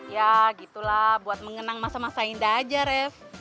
ya gitulah buat mengenang masa masa indah aja ref